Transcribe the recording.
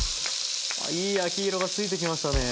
あいい焼き色がついてきましたね。